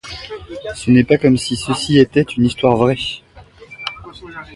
Ce n’est pas comme si ceci était une histoire vraie.